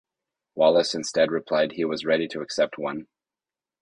Wallis instead replied he was ready to accept one.